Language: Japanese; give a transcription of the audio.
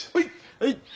はい。